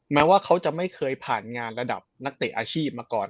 แม้ว่าเขาจะไม่เคยผ่านงานระดับนักเตะอาชีพมาก่อน